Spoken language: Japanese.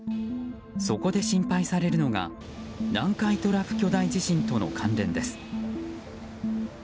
そこで心配されるのが南海トラフ巨大地震との関連です。